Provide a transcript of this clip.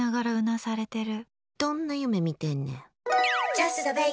どんな夢見てんねん。